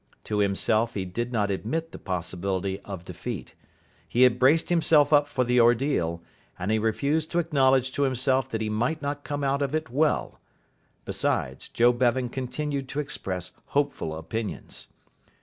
To himself he did not admit the possibility of defeat. He had braced himself up for the ordeal, and he refused to acknowledge to himself that he might not come out of it well. Besides, Joe Bevan continued to express hopeful opinions.